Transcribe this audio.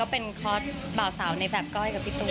เป็นคอร์สบ่าวสาวในแบบก้อยกับพี่ตูน